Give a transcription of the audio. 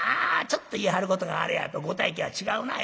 ちょっと言いはることがあれやとご大家は違うな。